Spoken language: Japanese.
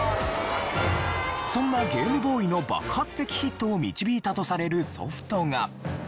そんなゲームボーイの爆発的ヒットを導いたとされるソフトが。